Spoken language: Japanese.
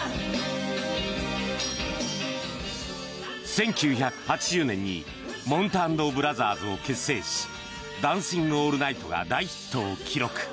１９８０年にもんた＆ブラザーズを結成し「ダンシング・オールナイト」が大ヒットを記録。